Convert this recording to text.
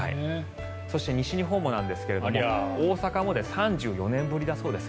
そして西日本もなんですが大阪も３４年ぶりだそうです。